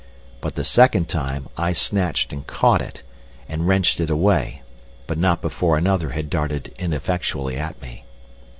But the second time I snatched and caught it, and wrenched it away, but not before another had darted ineffectually at me.